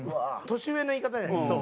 年上の言い方じゃないですか。